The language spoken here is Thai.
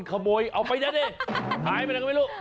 จากหายไปแล้วไหมลูก